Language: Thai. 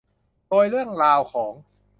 โดยเรื่องราวของ